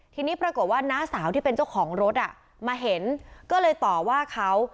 ทีนี้ปรากฏว่าน้าสาวที่เป็นเจ้าของรถมาเห็นก็เลยต่อว่าเขา